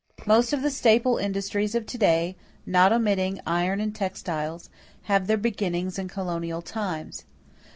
Most of the staple industries of to day, not omitting iron and textiles, have their beginnings in colonial times.